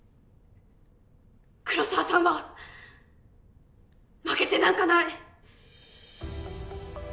黒澤さんは負けてなんかない！